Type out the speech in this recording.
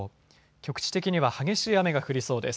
局地的には激しい雨が降りそうです。